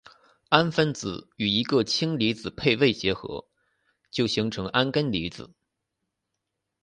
氨分子与一个氢离子配位结合就形成铵根离子。